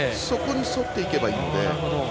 そこに沿っていけばいいので。